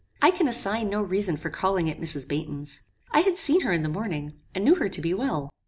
"I can assign no reason for calling at Mrs. Baynton's. I had seen her in the morning, and knew her to be well.